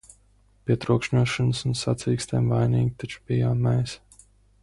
"Pie trokšņošanas un "sacīkstēm" vainīgi taču bijām mēs!"